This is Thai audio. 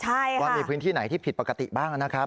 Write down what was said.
ใช่ว่ามีพื้นที่ไหนที่ผิดปกติบ้างนะครับ